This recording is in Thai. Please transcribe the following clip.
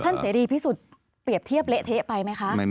เสรีพิสุทธิ์เปรียบเทียบเละเทะไปไหมคะ